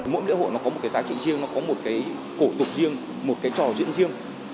mỗi lễ hội có một giá trị riêng có một cổ tục riêng một trò diễn riêng